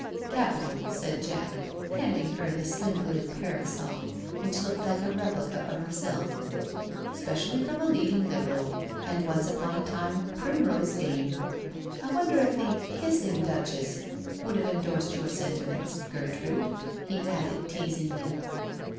"Capitall" said Jack, handing her the slim blue parasol, which looked like a replica of herself. '^ Specially from a leading Liberal and once upon a time ' Primrose Dame.' I wonder if the ' Kissing Duchess ' would have endorsed your sentiments, Ger trude," he added teasingly.